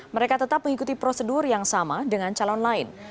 mereka tetap mengikuti prosedur yang sama dengan calon lain